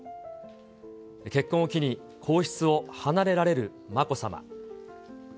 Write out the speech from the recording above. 結婚を機に、皇室を離れられるまこさま。